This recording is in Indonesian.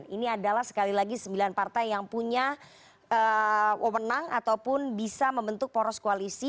ini adalah sekali lagi sembilan partai yang punya wewenang ataupun bisa membentuk poros koalisi